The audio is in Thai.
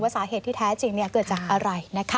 ว่าสาเหตุที่แท้จริงเกิดจากอะไร